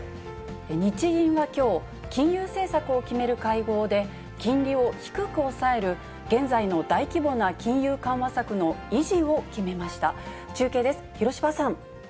日銀はきょう、金融政策を決める会合で、金利を低く抑える現在の大規模な金融緩和策の維持を決めました。